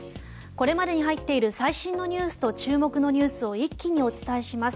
これまでに入っている最新ニュースと注目ニュースを一気にお伝えします。